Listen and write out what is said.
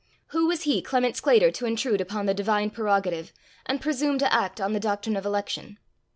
Who was he, Clement Sclater, to intrude upon the divine prerogative, and presume to act on the doctrine of election!